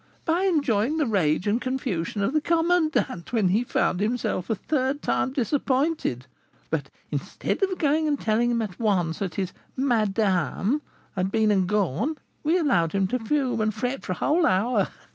"By enjoying the rage and confusion of the commandant when he found himself a third time disappointed; but, instead of going and telling him at once that his 'madame' had been and gone, we allowed him to fume and fret for a whole hour.